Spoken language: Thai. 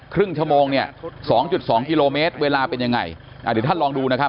ครึ่งชั่วโมงเนี่ยสองจุดสองกิโลเมตรเวลาเป็นยังไงอ่าเดี๋ยวท่านลองดูนะครับ